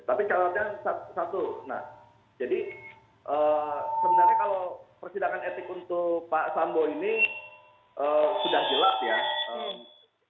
tapi kalau satu nah jadi sebenarnya kalau persidangan etik untuk pak sambo ini sudah jelas ya